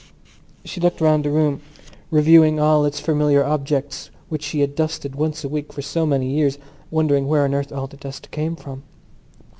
She looked round the room, reviewing all its familiar objects which she had dusted once a week for so many years, wondering where on earth all the dust came from.